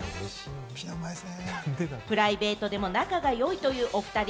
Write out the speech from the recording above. プライベートでも仲が良いというおふたり。